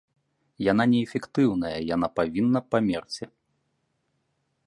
Яна неэфектыўная, яна павінна памерці.